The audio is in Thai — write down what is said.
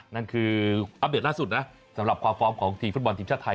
นั่นคืออัปเดตล่าสุดนะสำหรับความพร้อมของทีมฟุตบอลทีมชาติไทย